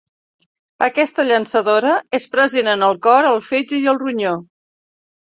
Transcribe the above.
Aquesta llançadora és present en el cor, el fetge i el ronyó.